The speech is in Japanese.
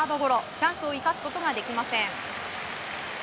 チャンスを生かすことができません。